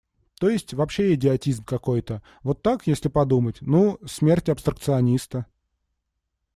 То есть, вообще идиотизм какой-то, вот так, если подумать: ну, смерть абстракциониста.